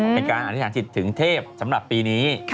เป็นการอธิษฐานจิตถึงเทพสำหรับปีนี้